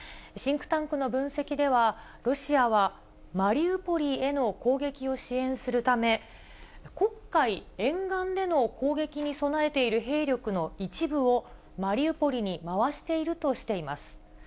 シンクタンクの分析では、ロシアはマリウポリへの攻撃を支援するため、黒海沿岸での攻撃に備えている兵力の一部を、マリウポリに回しているとしています。